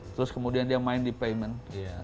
terus kemudian dia main di playment